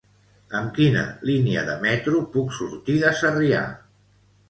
Amb quina línia de metro puc sortir de Sarrià?